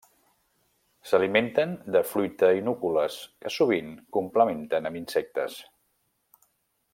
S'alimenten de fruita i núcules, que sovint complementen amb insectes.